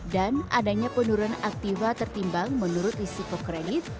dan adanya penurunan aktiva tertimbang menurut risiko kredit